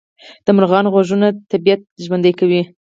د مرغانو غږونه طبیعت ژوندی کوي